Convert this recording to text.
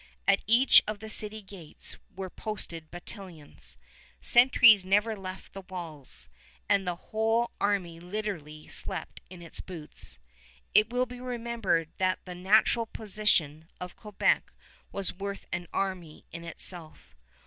At each of the city gates were posted battalions. Sentries never left the walls, and the whole army literally slept in its boots. It will be remembered that the natural position of Quebec was worth an army in itself.